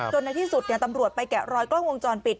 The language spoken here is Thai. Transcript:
ในที่สุดตำรวจไปแกะรอยกล้องวงจรปิด